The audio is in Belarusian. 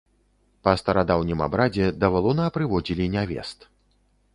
Па старадаўнім абрадзе да валуна прыводзілі нявест.